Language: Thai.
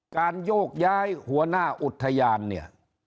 โยกย้ายหัวหน้าอุทยานเนี่ย